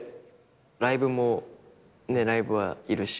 ライブもライブはいるし。